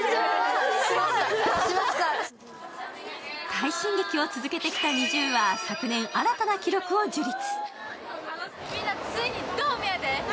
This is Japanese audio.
快進撃を続けてきたＮｉｚｉＵは昨年、新たな記録を樹立。